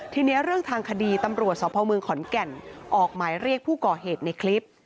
ทีนี้เรื่องทางคดีตำรวจสพเมืองขอนแก่นออกหมายเรียกผู้ก่อเหตุในคลิป